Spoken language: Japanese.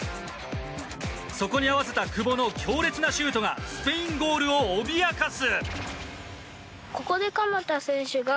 そこに合わせた久保の強烈なシュートがスペインゴールを脅かす。